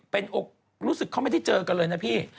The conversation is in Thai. เป็นอกรู้สึกเขาไม่ได้เจอกันเลยนะพี่